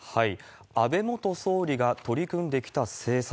安倍元総理が取り組んできた政策。